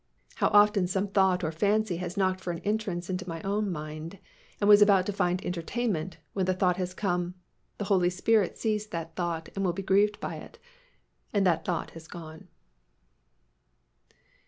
How often some thought or fancy has knocked for an entrance into my own mind and was about to find entertainment when the thought has come, "The Holy Spirit sees that thought and will be grieved by it" and that thought has gone.